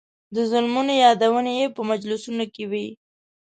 د ظلمونو یادونې یې په مجلسونو کې وې.